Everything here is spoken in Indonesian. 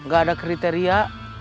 gak ada kriteria